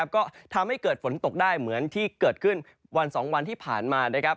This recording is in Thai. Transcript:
ก็ทำให้เกิดฝนตกได้เหมือนที่เกิดขึ้นวัน๒วันที่ผ่านมา